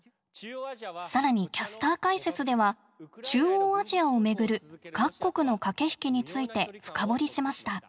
更にキャスター解説では中央アジアをめぐる各国の駆け引きについて深掘りしました。